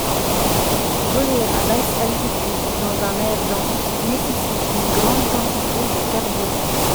Voler à basse altitude, dans un air dense, nécessite une grande quantité de carburant.